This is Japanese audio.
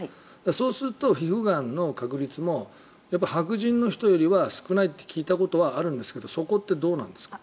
そうすると、皮膚がんの確率も白人の人よりは少ないと聞いたことがあるんですがその辺はどうなんですか？